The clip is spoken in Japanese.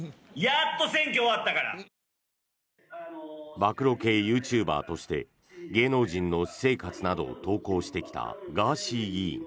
暴露系ユーチューバーとして芸能人の私生活などを投稿してきたガーシー議員。